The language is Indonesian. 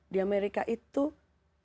di amerika itu politik rasnya itu sangat berbeda